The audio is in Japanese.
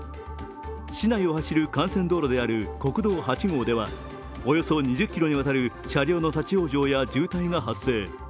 市内を走る幹線道路である国道８号ではおよそ２０ｋｍにわたる車両の立往生や渋滞が発生。